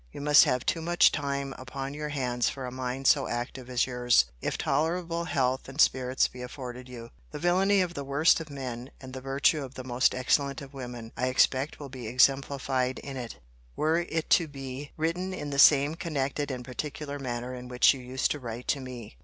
You must have too much time upon your hands for a mind so active as your's, if tolerable health and spirits be afforded you. The villany of the worst of men, and the virtue of the most excellent of women, I expect will be exemplified in it, were it to be written in the same connected and particular manner in which you used to write to me.